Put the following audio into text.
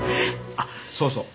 あっそうそう。